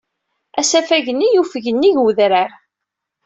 Asafag-nni yufeg nnig wedrar.